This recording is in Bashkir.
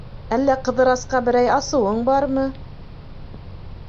— Әллә Ҡыҙырасҡа берәй асыуың бармы?